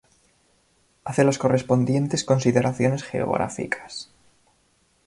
Hace las correspondientes consideraciones geográficas.